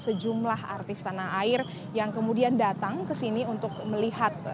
sejumlah artis tanah air yang kemudian datang ke sini untuk melihat